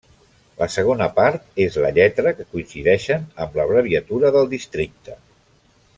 La segona part és la lletra que coincideixen amb l'abreviatura del districte.